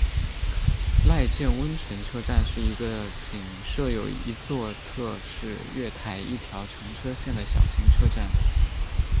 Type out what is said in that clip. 濑见温泉车站是一个仅设有一座侧式月台一条乘车线的小型车站。